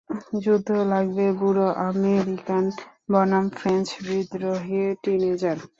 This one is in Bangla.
যুদ্ধ লাগবে, বুড়ো আমেরিকান বনাম ফ্রেঞ্চ বিদ্রোহী টিনেজার।